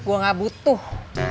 gua gak butuh